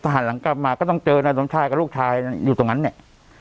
หันหลังกลับมาก็ต้องเจอนายสมชายกับลูกชายอยู่ตรงนั้นเนี่ย